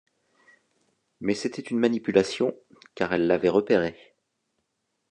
Mais c'était une manipulation, car elle l'avait repéré.